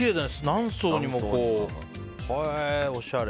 何層にも、おしゃれ。